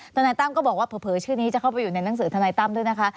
นายตั้มก็บอกว่าเผลอชื่อนี้จะเข้าไปอยู่ในหนังสือทนายตั้มด้วยนะคะ